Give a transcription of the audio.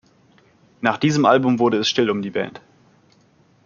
Nach diesem Album wurde es still um die Band.